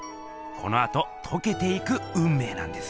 このあととけていくうんめいなんです。